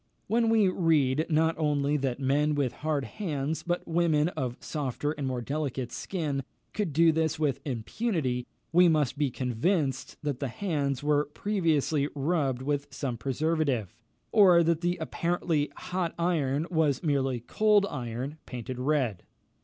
When we read not only that men with hard hands, but women of softer and more delicate skin, could do this with impunity, we must be convinced that the hands were previously rubbed with some preservative, or that the apparently hot iron was merely cold iron painted red.